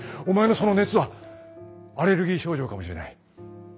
お前のその熱はアレルギー症状かもしれない。